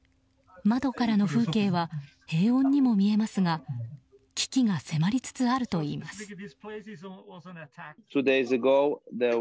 窓からの風景は平穏にも見えますが危機が迫りつつあるといいます。